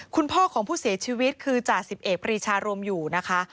คุณพ่อของผู้เสียชีวิตคือจ่าสิบเอกปรีชารวมอยู่นะคะ